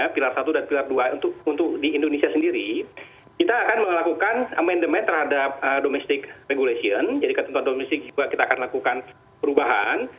pilar satu dan pilar dua untuk di indonesia sendiri kita akan melakukan amendement terhadap domestic regulation jadi ketentuan domestik juga kita akan lakukan perubahan